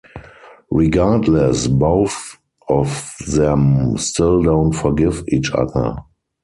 Regardless, both of them still don't forgive each other.